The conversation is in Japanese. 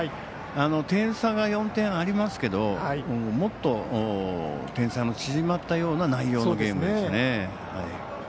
点差が４点ありますけどもっと点差の縮まったような内容のゲームでしたね。